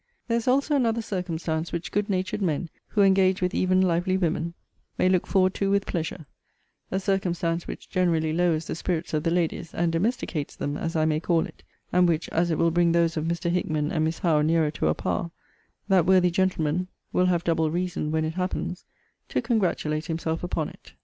There is also another circumstance which good natured men, who engage with even lively women, may look forward to with pleasure; a circumstance which generally lowers the spirits of the ladies, and domesticates them, as I may call it; and which, as it will bring those of Mr. Hickman and Miss Howe nearer to a par, that worthy gentleman will have double reason, when it happens, to congratulate himself upon it.